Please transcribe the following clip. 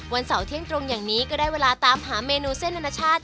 วันเสาร์เที่ยงตรงอย่างนี้ก็ได้เวลาตามหาเมนูเส้นอนาชาติ